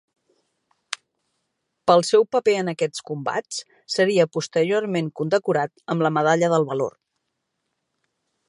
Pel seu paper en aquests combats seria posteriorment condecorat amb la Medalla del Valor.